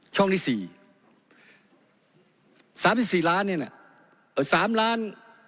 ช่องที่สี่สามที่สี่ล้านเนี่ยสามล้าน